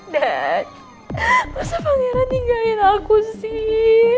dak masa pangeran ninggalin aku sih